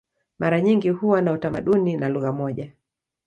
Mara nyingi huwa na utamaduni na lugha moja.